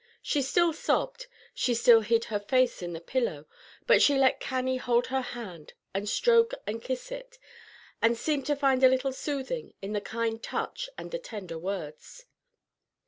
She still sobbed; she still hid her face in the pillow; but she let Cannie hold her hand and stroke and kiss it, and seemed to find a little soothing in the kind touch and the tender words.